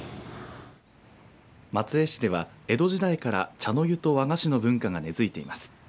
松江市では、江戸時代から茶の湯と和菓子の文化が根付いています。